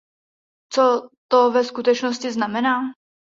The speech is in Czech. Co to ve skutečnosti znamená?